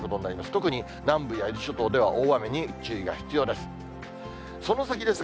特に南部や伊豆諸島では大雨に注意が必要です。